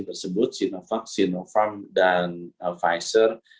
tersebut sinovac sinovac dan pfizer